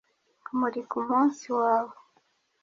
kumurika umunsi wawe,